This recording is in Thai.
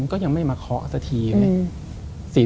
ก็ยังไม่มาเคาะสักทีไง